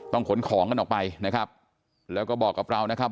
ขนของกันออกไปนะครับแล้วก็บอกกับเรานะครับ